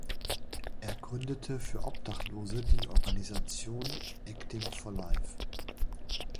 Er gründete für Obdachlose die Organisation "Acting for Life".